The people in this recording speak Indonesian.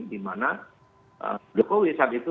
dimana jokowi saat itu